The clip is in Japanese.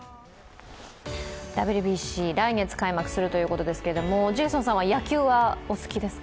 ＷＢＣ来月開幕するということですけどジェイソンさんは野球はお好きですか？